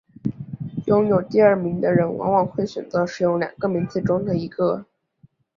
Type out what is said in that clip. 拥有第二名的人往往会选择使用两个名字中的一个。